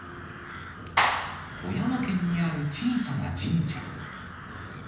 富山県にある小さな神社。